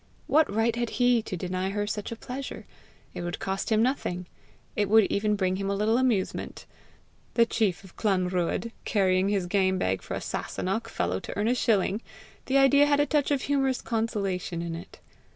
What right had he to deny her such a pleasure! It would cost him nothing! It would even bring him a little amusement! The chief of Clanruadh carrying his game bag for a Sasunnach fellow to earn a shilling! the idea had a touch of humorous consolation in it.